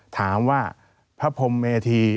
ถามว่าพระพรมเมธี